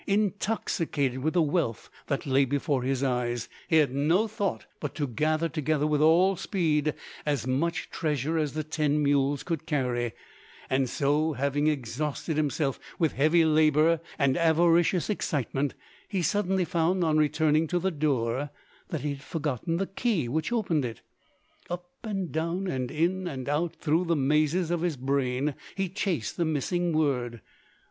Intoxicated with the wealth that lay before his eyes, he had no thought but to gather together with all speed as much treasure as the ten mules could carry; and so, having exhausted himself with heavy labour and avaricious excitement, he suddenly found on returning to the door that he had forgotten the key which opened it. Up and down, and in and out through the mazes of his brain he chased the missing word.